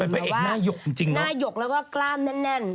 เป็นเพราะอัยหน้ายกจริงมากแล้วก็กล้ามแน่น